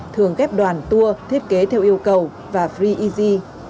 thường ghép đoàn tour thiết kế theo yêu cầu và free easy